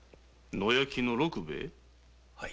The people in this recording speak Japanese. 野焼きの六兵ヱ？